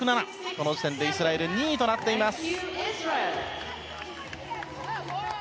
この時点でイスラエル２位となっています。